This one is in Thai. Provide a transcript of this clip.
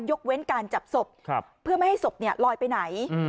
ยกเว้นการจับศพเพื่อไม่ให้ศพลอยไปไหน